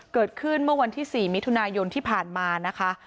เกิดขึ้นเมื่อวันที่๔มิถุนายนที่ผ่านมานะคะ